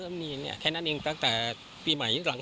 ไม่มีเรื่องอะไรไม่เคยเห็น